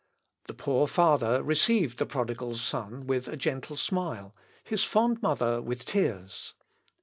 The poor father received the prodigal son with a gentle smile, his fond mother with tears.